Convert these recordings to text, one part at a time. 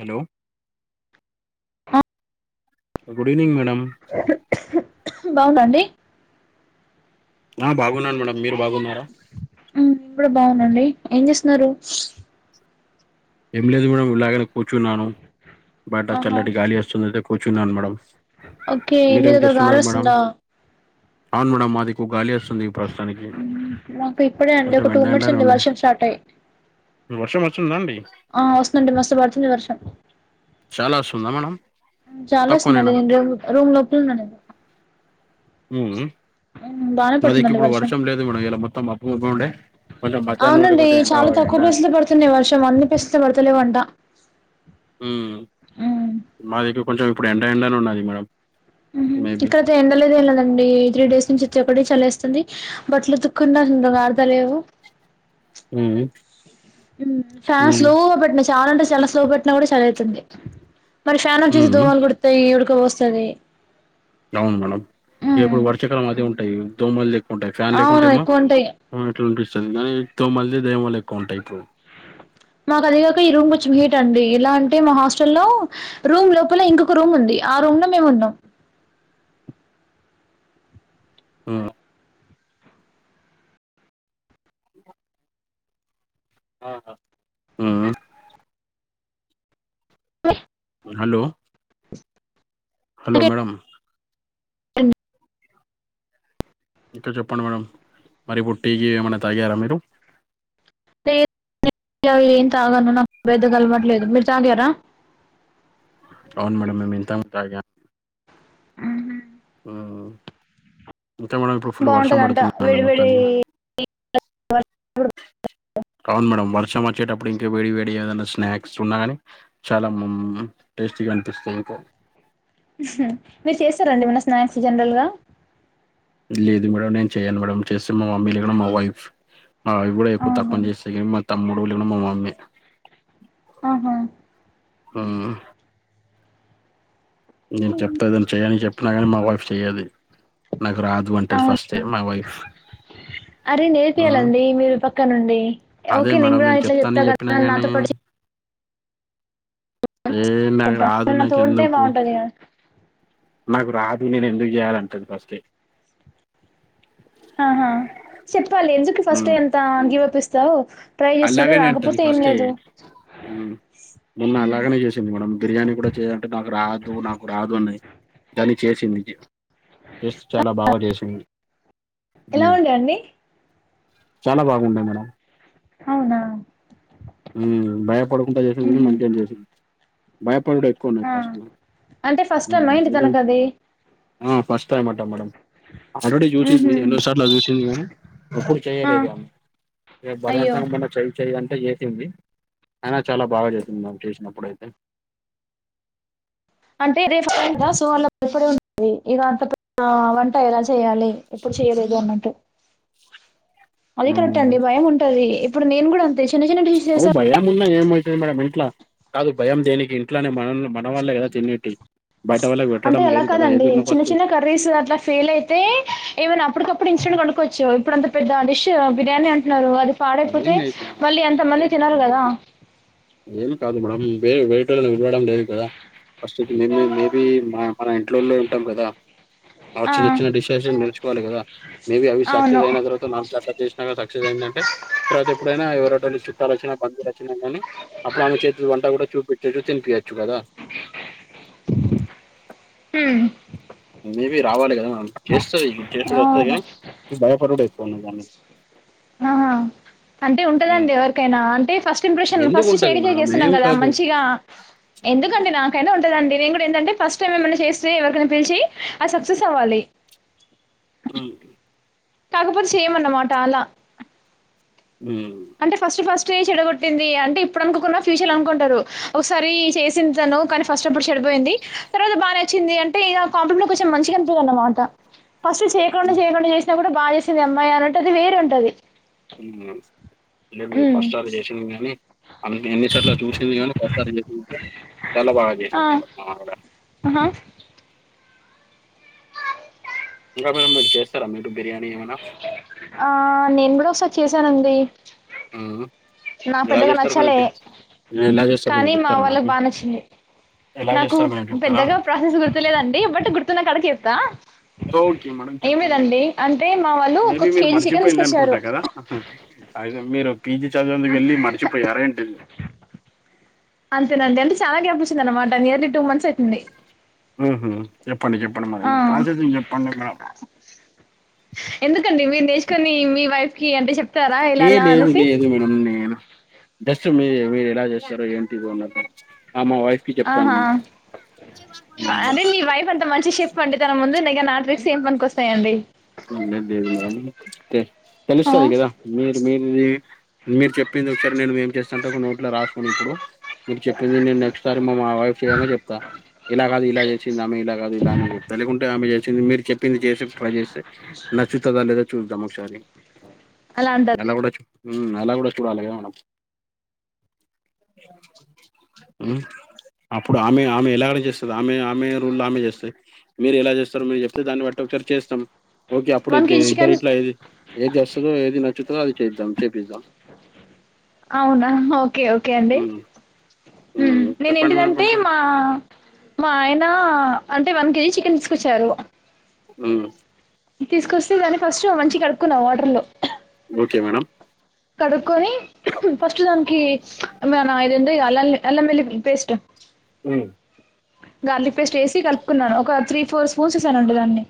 Hello ఆ good evening madam బావుందా అండి ఆ బాగున్నాను మేడమ్ మీరు బాగున్నారా ఊ నేన్ కూడా బానండి ఏం చేస్తున్నారు ఏం లేదు మేడం ఉలాగనే కూర్చున్నాను బట ఆహా చల్లటి గాలి వస్తుంటె కూర్చున్నాను మేడం ఓకే మీరేం మీదగ్గర చేస్తున్నారు మేడం గాలేస్తుందా అవును మేడమ్ మధిక్కు గాలేస్తుంది ఈ ప్రశ్ ఊ మాకు ఇప్పుడే అండి ఒక టూ ఎండ మినిట్స్ అండి వర్షం స్టార్ట్ అయ్ ఉప్పుడ్ వర్షం వచ్చిందా అండి ఆ వస్తుందండి మస్తు పడుతుంది వర్షం చాలా వస్తుందా మేడం తక్కువనేనా చల్లేస్తుందని రూమ్ రూమ్ లోపల ఉన్న నేను ఊ ఉ ఉమ్ బానే మాదకే పడుతుందండి ఇప్పుడు వర్షం లేదు మేడం ఇయల మొత్తం మబ్బుమబ్బు ఉండే కొంచెం మధ్యాహ్ండి కొంచెం ఎండ ఎండ స్తుంది వర్షం అన్ని ప్లేస్ల పడతలేవన్ట ఊ ఉమ్ మా దగ్గర కొంచం ఇప్పుడు ఎండ ఎండనే ఉనాయీ మేడమ్ ఊహు ఇక్కడయితే ఎండలేదు ఏం లేదండి త్రీ డేస్ నుంచయితే ఒకటె చలేస్తుంది బట్లుఉతుకున్న గూడ అరుతలేవు ఉహ్ ఉ ఫ్యాన్ స్లోగా పెట్ట చాలా అంటే చాలా స్లో పెట్ట నకూడ చలైతుంది మరి ఫ్యాన్ అఫ్ చేసి ఉమ్ దోమలు కుడతాయి ఉడుకబోస్తది అవును మేడం ఇప్పుడు వర్షకాలం అదే ఉంటాయి దోమలు ఎక్కువ ఉంటాయి ఫ్యాన్ లేకు అవును ఉంటెమో ఎక్కువుంటాయి. ఎట్లా అనిపిస్తది కానీతో మళ్ళీ దోమలెక్వ ఉంటాయి ఇప్ మాకు అదిగాక ఈ రూమ్ కొంచెం హీట్ అండి ఇల అంటే మా హాస్టల్ లో రూమ్ లోపల ఇంకొక రూమ్ ఉంది ఆ రూమ్ లో మేము ఉన్నం ఊ అహ్ హ్యూమ్ మే హలో హలో మేడమ్ న్ ఇంకా చెప్పండి మేడం మరి ఒటీయి ఏమైనా తాగారా మీరు లేదు నేన్ ఏం తాగాను నాకు బెద్దగా అలవట్లేదు మీరు తాగారా అవున్ మేడమ్ నేన్ ఇంత మునిపు తాగాను ఆహా హు అంతే మేడం ఇప్పుడు ఫుల్ వర్షం బావుంటా. పడుతుందిన్న మొత్తానికి కావును మేడం వర్షం వచ్చేటప్పుడు ఇంకా వేడి వేడి ఏదనా స్నాక్స్ ఉన్నా గాని చాలా ముంమ్ టేస్టీగా అనిపిస్తయ్ ఇంకా మీరు చేస్తారండి ఏమన్న స్నాక్స్ జనర్రల్ గా లేదు మేడం నేను చెయను మేడం చేస్తే మా మమ్మీ లెకుంటే మా వైఫ్ మా ఆవిడ కూడా ఎక్కువ తక్కువనే చేస్తాయి కానీ మా తమ్ముడులు లేదా మా మమ్మీ ఆహా ఊ నేను చెప్తా తను చెయని చెప్పినా కానీ మా వైఫ్ చెయదు నాకు రాదు వంటలు అవును. ఫస్ట్ ఏ మా వైఫ్ ఊ ఇక్క నుండి ఓకే నేను కూడా ఇట్లా చెప్తానని చెప్తా చెప్పినా కదా గాని నాతో పడి ఏ నాకు రాదు నాకు ఎందుకు యా నాకు రాదు నేను ఎందుకు చేయాలంటది ఫస్ట్ ఏ ఆహా చెప్పాలి ఎందుకు ఫస్ట్ ఏ ఉమ్ అంత గీవప్ ఇస్తావు ట్రై చేస్ చూడు రాకపోతే ఏం లేదు ఊ మొన్న అలాగనే చేసింది మేడం బిర్యానీ కూడా చేయాంటే నాకు రాదు నాకు రాదు అన్నది కాని చేసింది టేస్ట్ చాలా బాగా చేసింది ఎలా ఉమ్ ఉండే అండి చాలా బాగున్నాయి మేడం అవునా ఉమ్ భయపడకుండా చేసింది హుహు. మంచిగా చేసింది భయపడుడేక్ పోనీ ఆ! ఫస్ట్ అంటే ఫస్ట్ ఊ టైమా ఏంటి ఉ తనకది? ఆ ఫస్ట్ టయమాట మేడం ఆల్రెడీ చూసింది హుహు. ఎన్నోసార్లు చూసింది కానీ ఎప్పుడు ఆ! చేయలేదు ఆమె ఇగ అయ్యో! బలవంతంగ మైన చెయి చెయంటే చేసింది అయినా చాలా బాగా చేసింది మామ్ చేసినప్పుడైతే అంటే రేపు [unintelligible] సో అల భయపడి ఉంటుంది ఇక అంత పెద్ద వంట ఎలా చేయాలి ఎప్పుడు చేయలేదు అన్నట్టు అదే కరెక్ట్ అండి భయం ఉంటది ఇప్పుడు నేను కూడా అంతే చిన్న చిన్న డిషెస్ అవు భయం ఉన్నా ఏమైతది మేడం ఇంట్లా కాదు భయం దేనికి ఇంట్లనే మనల్ని మ మన వాళ్లే కదా తినేటి బయట వాల్లకి పెట్టడం లేదు కదా ఏదున్న ఫస్ట్ రీస్ అట్ల ఫెయిల్ అయితే ఏవన అప్పటికప్పుడు ఇన్స్టంట్ గా కొనుక్కోవచ్చు ఇప్పుడంత పెద్ద డిష్ బిర్యాని అన్ న్నారు అది ఏం పాడైపోతే అయితుంది మళ్ళీ ఎంత ఏం మంది తినాలి కాదు కదా ఏం కాదు మేడమ్ బే వెయిట్ పి విలవడం లేదు కదా ఫస్ట్ అయితే మేం మేం మేబి మా మన ఇంట్లోలే ఉంటాం కదా ఆ చిన్న చిన్న డిషెస్ నేర్చుకోవాలి కదా మెబీ అవి అవును సక్సెస్ అయిన తర్వాత సో నాలు చట్ల చేసినాక సక్సెస్ అయిందంటే తర్వాత ఎప్పుడైనా ఎవరోకలు చుట్టాలు వచ్చినా బందులు వచ్చినా కానీ అప్పుడు ఆమె చేతి వంట కూడా చూపిచచ్చు తినిపియచ్చు కదా ఊ మేబీ రావాలి కదా చేస్తది చేసుడు వస్తది అవును గని ఈ భయపడుడు ఎక్కువ వున్నది దానీకి ఆహా అంటే ఉమ్. ఉంటదండి ఎవరికైనా అంటే ఫస్ట్ ఇంప్రెషన్ ఎందుకు ఫస్ట్ ఉంటది చేడికె మేడం చేస్తున్నాం ఏం కదా కాదు మంచిగా ఎందుకండి నాకై ఉంటుందండి నేను కూడా ఏందంటే ఫస్ట్ టైం ఏమైనా చేస్తే ఎవరికై పిలిచి అది సక్సెస్ అవ్వాలి ఉ కాకపోతే చేయమన్నమాట అలా ఊ అంటే ఫస్ట్ ఫస్ట్ ఏ చెడగొట్టింది అంటే ఇప్పుడు అనుకున్న ఫ్యూచర్ లో అనుకుంటారు ఒకసారి చేసింది తను కాని ఫస్ట్ అప్పుడు చెడిపోయింది తర్వాత బానేచ్చింది అంటే ఇకా కొంపంలో కొంచెం మంచిగా అనిపియదన్నమాట ఫస్ట్ చేయకుండా చేయకుండా చేసినా కూడా బాగా చేసింది ఈ అమ్మాయి అనట్టు అది వేరే ఉంటది అవున మేము హ్మ్. ఫస్ట్ ఆది చేసినం గానీ అన్ని ఎన్నిసార్ల చూసింది కానీ కొత్త రిలేషన్ వుంటే చాలా బాగా చేసారు [inaudible] ఆవిడా ఆహ ఇంకా మీరు మీరు చేస్తారా మీరు బిర్యానీ ఏమైనా ఆ నేను కూడా ఒకసారి చేసానండి మ్ హుం నా పెద్దగా నచ్చాలే ఎలా చేస్తారు కానీ కొంచెం మా చెప్తారా వోళ్ళకి నాకు బా నచ్చింది ఎలా నాకు చేస్తారు కొంచెం చెప్తారా పెద్దగా ప్రాసెస్ గుర్తులేదండి బట్ గుర్తున్న కాడికి చెప్తా ఓకే మేడం ఏమి చెప్పండి లేదండి అంటే మా వాళ్ళు ఒక కేజీ చికెన్ తీసుకొచ్చారు అహుమ్ అయితే మీరు పీజీ చదివేందుకు వెళ్ళి మర్చిపోయారా ఏంటి అంతేన అండి అంటే చాలా గ్యాప్ వచ్చింది అనమాట నియర్లీ టూ మంత్స్ అయితుంది. ఉహుం చెప్పండి చెప్పండి మరి ఆ! ప్రాసెసింగ్ చెప్పండి మేడం ఎందుకండి మీరు నేచుకొని మీ వైఫ్ కి అంటే చెప్ ఏ లేదు లేదు మేడం నేను జస్ట్ మీ మీరు ఎలా చేస్తారు ఏంటి [unintelligible] ఆహా ఉమ్. అదే నీ వైఫ్ అంతా మంచి షేఫ్ వండితనం ముంది నిగ నా ట్రిక్స్ ఏం పనికొస్తాయండి ఉండే లేదు మేడం కే ఆ! తెలుస్తది కదా మీరు మీరుది మీరు చెప్పింది ఒకసారి నేను ఏం చేస్తానంటు ఒక నోట్లో రాసుకోని ఇప్పుడు మీరు చెప్పింది నేను నెక్స్ట్ సార్ మా వైఫ్ చేయంగా చెప్తా ఇలా కాదు ఇలా చేసింది ఆమె ఇలా కాదు ఇలా అని చెప్త లేకుంటే ఆమె చేసింది మీరు చెప్పింది చేసి ట్రై చేస్తే నచ్చుతదా లేదా చూద్దాం ఒకసారి అలా అంట అలాకూడా చూ వ్మ్ అలా కూడా చూడాలిగ మేడం వ్మ్ అప్పుడు ఆమె ఆమె ఎలా ఆలోచిస్తది ఆమె ఆమె రూల్లొ ఆమె చేస్తది. మీరు ఎలా చేస్తారు మీరు చెప్తే దాన్ని బట్టి ఒకసారి చేస్తాం ఓకే అప్పుడుద్దె కేజీ ఇద్దరు చికెన్ ఇట్లా ఏది ఏది వస్తదో ఏది నచ్చుతుదో అది చేయిద్దాం చేపిద్దాం అవునా ఓకే ఓకే అండి ఉమ్ వ్మ్ ఉమ్ నేను చెప్పండి మేడం ఏంటిదంటే కొంచెం మా మా ఆయన అంటే వన్ కేజీ చికెన్ తీసుకొచ్చారు వ్మ్ తీసుకొస్తే దన్ని ఫస్ట్ మంచి కడుక్కున్నా వాటర్ లో ఓకే మేడం కడుక్కకొని ఫస్ట్ దానికి మ మా ఇదేందో అల్ల అల్ల అల్లం వేల్లి పేస్ట్ వ్మ్ గార్లిక్ పేస్ట్ వేసి కలుపుకున్నాను ఒక త్రీ ఫోర్ స్పూన్సేస్ అండి దాన్ని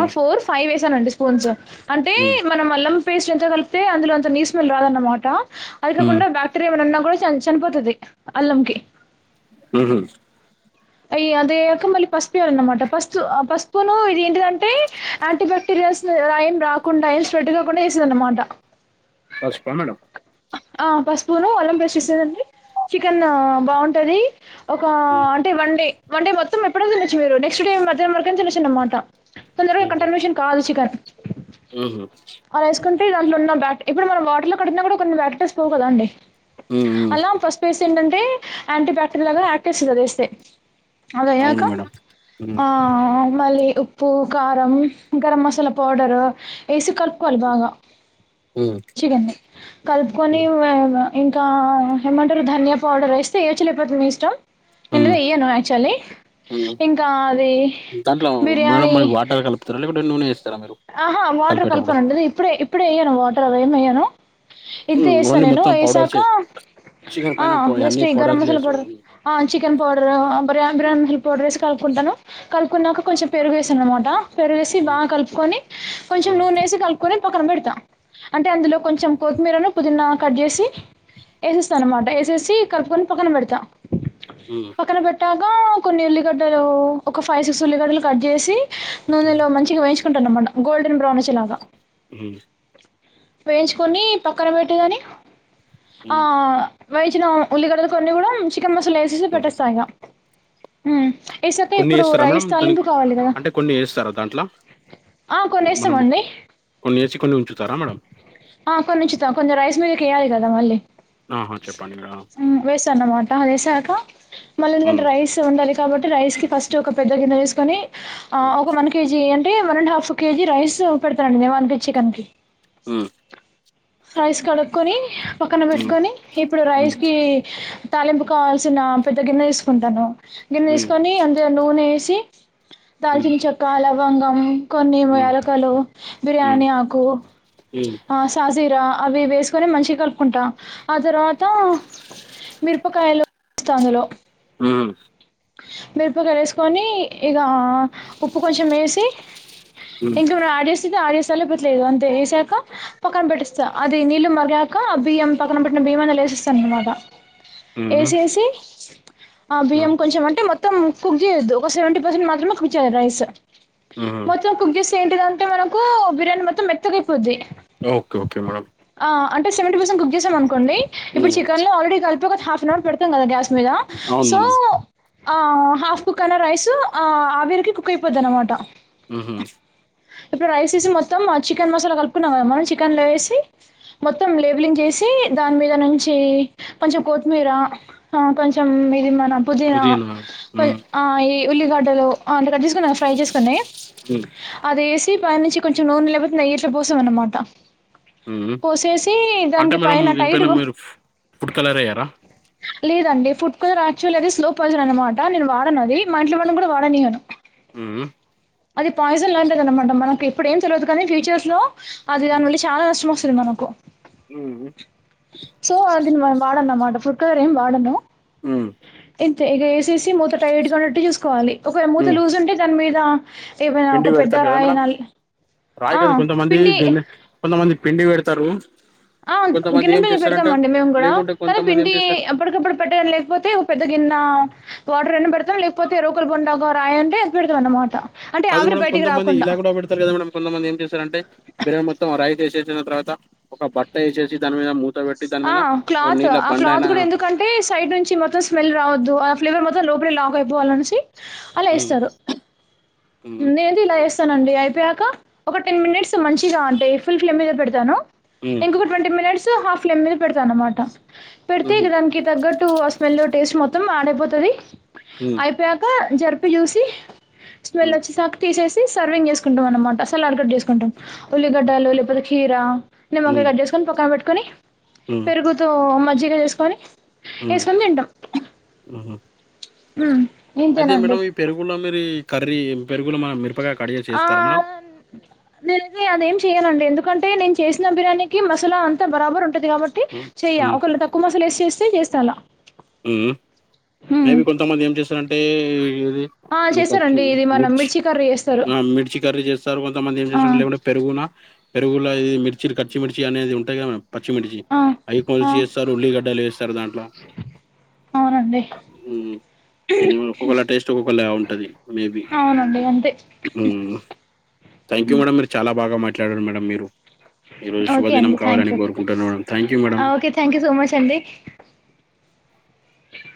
ఆ ఫోర్ ఫైవ్ వేసానండి స్పూన్స్ అంటే ఉమ్ మనం అల్లం పేస్ట్ ఎంత కలిపితే అందులోంత నీస్ స్మెల్ రాదఅన్నమాట అది ఉమ్ కాకుండా బ క్టిరియా ఏమనున్నా కూడా చన్ చనిపోతది అల్లంకి ఉహుం అయ్ అద్ అయ్యక మళ్ళీ పసుపుయాల అన్నమాట పసుపు ఆ పసుపును ఇది ఏంటిదంటే యాంటీ బాక్టీరియాల్స్ రైం రాకుండా ఏం స్ప్రెడ్ కాకుండా చేస్తాదఅన్నమాట పసుప మేడం ఆ పసుపును అల్లం పేస్ట్ ఇస్తాదండి చికెన్ బాగుంటది ఒక ఉమ్ అంటే వన్ డే వన్ డే మొత్తం ఎప్పుడన్న తినచ్చు మీరు నెక్స్ట్ డే మధ్యాహ్నం వరకు తినచ్చు అన్నమాట తొందరగా కంటెర్మేషన్ కావాలి చికన్ ఉహుం అలా వేసుకుంటే దాంట్లో ఉన్న బ్యాక్ట్ ఇప్పుడు మనం వాటర్లో కడిగినా కూడా కొన్ని బ్యాక్టీస్ పోవు కదా అండి ఉమ్ ఉమ్ అల్లాం ఫస్ పసుపేసి ఏంటంటే యాంటీ బ్యాక్టీరియల్ గా యాక్టిస్తుంది అదివేస్తే అద అయ్యాక అవును మేడం ఉమ్ ఆ మళ్ళీ ఉప్ ఉప్పు కారం గరం మసాలా పౌడరు ఏసి కలుపుకోవాలి బాగా మ్ చిగా అండి కలుపుకొని వ వ ఇంకా హెమంటరు ధనియా పౌడర్ వేస్తే ఏయోచ్చు లేకపోతు మీ ఇష్టం ఇందులో ఉమ్ వెయ్యను యాక్చువలీ ఉమ్ ఇంకా అది బిర్యానీ కల్పుతరా లేకుంటే నూనె ఎస్ ఆహా వాటర్ కలపనండి అది ఇప్పుడే ఇప్పుడే ఏయ్యాను వాటర్ అవి ఏమి ఏయ్యను ఇంతే ఉమ్ ఏస్తా ఓన్లీ నేను మొత్తం పౌడర్ ఏసాక చేసి చికెన్ ఆ పైన పో జస్ట్ అన్ని ఈ గరం పౌడర్లు మసాలా వేసుడు పౌడర్ ఉమ్ ఆ చికెన్ పౌడర్ బిర్య బిర్యానీ పౌడర్ ఏసి కలుపుకుంటాను కలుపుకున్నాక కొంచెం పెరుగేసాననమాట పెరుగేసి ఉమ్ బాగా కలుపుకొని ఉమ్ కొంచెం ఉమ్ నూనెసి కలుప్ కొని పక్కన పెడతా అంటే అందులో కొంచెం కొత్మీరను పుదీనా కట్ చేసి ఏసేస్తా అన్నమాట ఏసేసి కలుపుకొని పక్కన పెడతా మ్మ్ పక్కన పెట్టాక కొన్ని ఉల్లిగడ్డలు ఒక ఫైవ్ సిక్స్ ఉల్లిగడ్డలు కట్ జెసి నూనెలో మంచిగా వేయించుకుంటునమ్మాట గోల్డెన్ బ్రౌన్ వచ్చేలాగా ఉమ్ వేయించుకొని పక్కన పెట్టుగాని ఆ వేయించినా ఉల్లిగడలు కొన్ని గుడా చికెన్ మసాల ఏసేసి ఉమ్ పెట్టేస్తా ఇగ ఏసకా కొన్ని ఇప్పుడు వేస్తారా మేడం రైస్ దానికి తాలింపు కావాలి కదా అంటే కొన్ని ఏస్తారా దాంట్ల ఆ మనం కొనేస్తామండి కొన్ని ఏసి కొన్ని ఉంచుతారా మేడం ఆ కొన్ని ఉంచుతాం కొెన్ని రైస్ మీదకేయ్యాలి కదా మళ్ళీ ఆహా చెప్పండి మేడం వేసాన్నమాట అదేసాక మళ్ళీంగా హ్మ్ రైస్ ఉండాలి కాబట్టి రైస్ కి ఫస్ట్ ఓక పెద్ద గిన్నె తీసుకొని ఆ ఓక వన్ కేజీ అంటే one and half KG rice పెడతనండి వన్ కేజి చికన్ కి మ్ రైస్ కడుక్కకొని పక్కన పెట్టుకొని ఇప్పుడు హ్మ్ రైస్ కి తాలింపు కావాల్సిన పెద్ద గిన్నె తీసుకుంటాను గిన్నె హ్మ్ తీసుకొని అందులో నూనె ఏసి హ్మ్ దాల్చిన చెక్క లవంగం కొన్ని హ్మ్ యాలకలు హ్మ్ బిర్యానీ ఆకు హ్మ్ హ్మ్ ఆ సాస్ జీర అవి వేసుకుని మంచిగ కలుపుకుంటా ఆ తర్వాత మిరపకాయలు స్తా అందులో మ్ మిరపకాయ ఏసుకొని ఇక ఉప్పు కొంచెం ఏసి హ్మ్ ఇంకా యాడ్జెసింది యాడ్జెసల్లా పెట్లేదు అంతే ఏసాక పక్కన పెట్టెస్ చ్చ అది నీళ్ళు మరిగాక ఆ బియ్యం పక్కన పెట్టిన బియ్యమ అందులోలేేస్తనన్న మాట హుహు. ఏసేసి ఆ బియ్యం హ్మ్. కొంచెం అంటే మొత్ త్తం కుక్ చేయద్దు ఒక సెవెంటీ పర్సెంట్ మాత్రమే కుక్ చేయాలి రైస్ హుహు. మొత్తం కుగ్ చేస్తే ఏంటిదంటే మనకు బిర్యానీ మొత్తం మెత్తగైపోద్ది ఓకే ఓకే మేడం ఆ అంటే సెవంటీ పర్సెంట్ కుక్ చేసామనుకోండి ఇప్పుడు హ్మ్. చికెన్ లో ఆల్రెడీ కలిపి ఒక హాఫెన్ అవర్ పెడు తాం కదా గ్యాస్ మీద అవును సో మేడం. ఆ హాఫ్ కుక్కర్లో రైస్ ఆ ఆవిరికి కుక్ అయిపోద్ది అనమాట ఉహు ఇప్పుడు రైసేసి మొత్తం ఆ చికెన్ మసాలా కలుపుకున్నాము కద మనం చికెన్లో ఎసి మొత్తం లేవలింగ్ చేసి దాని మీదా నుంచి కొంచెం కోత్మీర ఆ కొంచెం ఇది మన పుదీనా కొ ఆ ఈ ఉల్లిగడ్డలు అంటే కట్ జేసుకొని ఫ్రై చేసుకున్నయి ఉమ్ అది ఏసి పైనుంచి కొంచెం నూనే లేపోతే నెయ్యి ఇట్ల పోసంనమాట హ్మ్. పోసేసి అంటే దానికి మేడం పైన దీనిపైన టైట్గా మీరు ఫ్ ఫుడ్ కలర్ ఎయ్యరా? లేదండి ఫుడ్ కలర్ యాక్చువల్లీ అదే స్లో పాయిజన్ అనమాట నేను వాడను అది మా ఇంట్లో వాళ్ళని గూడా వాడనియను ఉమ్ అది పాయిజన్ లాంటిది అనమాట మనకి ఇప్పుడు ఏం తెల్వద్ కానీ ఫ్యూచర్స్లో అది దానివళ్ళీ చానా నష్టం వస్తది మనకు ఉ సో అదిన్ వాడనమాట ఫుడ్ కలర్ ఏం వాడము ఉమ్ ఇంతే ఇక ఏసేసి మూత టైట్గా ఉన్నట్టు చూసుకోవాలి ఒక మూత హ్మ్. లూజ్ ఉంటే దాని మీద చేపోయిన పిండి ఒకప్పు కదా మేడం రాయ గాదు కొంతమంది పిండి గ కొంతమంది పిండి పెడతారు ఆ కొంతమంది గిన్నె ఏం మీద పెడతాం చేస్తారంటే అండి మేము కూడా లేకుంటే కానీ కొంతమంది ఏం పిండి చేస్తారు అప్పటికప్పుడు ట్టడ లేకపోతే ఒ పెద్ద గిన్నా వాటర్ అన్న పెడతాం లేకపోతే రోకలు బండ గారాయ అంటే ఏత్తి పెడతాం అన్నమాట కాదు మేడం కొంత మంది ఇలా కూడా పెడతారుగా మేడం కొంతమంది ఏం చేశారంటే బిర మొత్తం రాయ్ వేసేసిన తర్వాత ఒక బట్ట వేసేసి దాని మీద మూ పెట్టి దానిమద ఓనీళ బండయ్న కంటే సైడ్ నుంచి మొత్తం స్మెల్ రావద్దు ఆ ఫ్లేవర్ మొత్తం లోపలే లాక్ అయిపోవాలి అనేసి అలా హ్మ్ ఎస్తారు హ్మ్ నేనైతే ఇలా చేస్తానండి అయిపోయాక ఒక టెన్ మినిట్స్ మంచిగా అంటే ఫుల్ ఫ్లేమ్ మీద పెడతాను హ్మ్ ఇంకొక ట్వంటీ మినిట్స్ హాఫ్ ఫ్లేమ్ మీద పెడతా అనమాట పెడితే ఇక హ్మ్ దానికి తగ్గట్టు ఆ స్మెల్ టేస్ట్ మొత్తం ఆడెపోతది హ్మ్ అయిపోయాక జరిపి చూసి వెళ్ళ హ్మ్ వచ్చె సాకే తీసేసి సర్వింగ్ చేసుకుంటాం అన్నమాట సలాడ్ గడ్ చేసుకుంటాం ఉల్లిగడ్డలు లేపోతే కీర నిమ్మకాయ హ్మ్ కట్ చేసుకొని పక్కన పెట్టుకొని హ్మ్ పెరుగుతో మజ్జిగా చేసుకొని మ్మ్ ఏసుకొని హ్మ్ హు ఉమ్ అయితే మేడం ఈ పెరుగుల్లో మీరీ కర్రీ పెరుగులో మిరపకాయ కడ్ జెసి ఎస్తారా మేడం అ నేనైతే అదేం చేయనండి ఎందుకంటే నేను చేసిన బిర్యానీకి మసాలా అంతా బరాబర్ ఉంటది కాబట్ టి హ్మ్ చేయ్య హ్మ్ ఒకళు తక్కువ మసాల ఏసి చేస్తే చేస్తాలా హ్మ్ మేబి కొంతమంది ఏం చేస్తారంటే ఇది ఆ మీచ చేస్తారండి ఇది మన మిర్చ్ మిర్చి కర్రీ చేస్తారు ఆ మిర్చి కర్రీ చేస్తారు కొంతమంది ఏం ఆ చేస్త లేంటే పెరుగునా పెరుగుల ఇది మిర్చి కచ్చిమిిర్చి అనేది ఉంటాయి కదా మ పచ్చిమిర్చి ఆ అవి ఆ కొల్సి జెస్తారు ఉల్లిగేడ్డలు ఏస్తారు దాంట్లో అవునండి ఉమ్ ఒక్కొక్కళ టేస్ట్ ఒక్కొక్కళ ఉంటది మేబి అవునండి అంతే థాంక్యూ మేడం మీరు చాలా బాగా మాట్లాడారు మేడం మీరు. ఈ రోజు ఓకే శుభదినం అండి కావాలని కోరుకుంటున్నాను thank you madam. Thank you so much అండి.